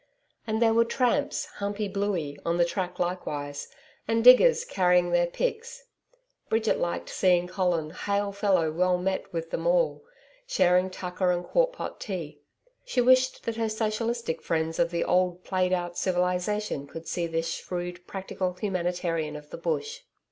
And there were tramps 'humping bluey' on the track likewise, and diggers carrying their picks. Bridget liked seeing Colin hail fellow well met with them all sharing tucker and quart pot tea. She wished that her socialistic friends of the old played out civilisation could see this shrewd, practical humanitarian of the Bush.